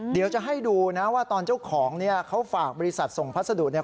เดี๋ยวจะให้ดูนะว่าตอนเจ้าของเนี่ยเขาฝากบริษัทส่งพัสดุเนี่ย